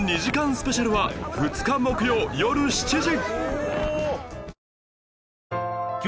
スペシャルは２日木曜よる７時